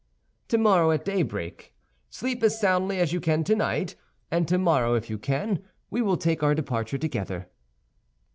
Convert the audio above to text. "Tomorrow at daybreak. Sleep as soundly as you can tonight, and tomorrow, if you can, we will take our departure together."